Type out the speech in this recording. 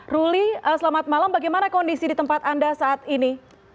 ruli selamat malam bagaimana kondisi di tempat anda saat ini